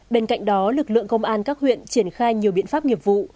bên cạnh đó lực lượng công an các huyện triển khai nhiều biện pháp nghiệp vụ